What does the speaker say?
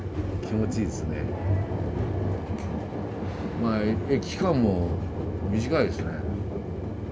まあ駅間も短いですね。